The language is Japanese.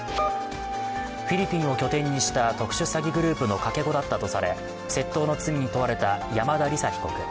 フィリピンを拠点にした特殊詐欺グループのかけ子だったとされ窃盗の罪に問われた山田李沙被告。